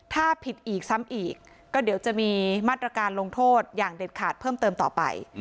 ถ้าผิดอีกซ้ำอีกก็เดี๋ยวจะมีมาตรการลงโทษอย่างเด็ดขาดเพิ่มเติมต่อไป